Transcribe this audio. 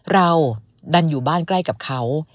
เราดันอยู่บ้านใกล้กับเขา